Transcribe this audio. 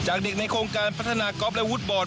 เด็กในโครงการพัฒนาก๊อฟและวูดบอร์ด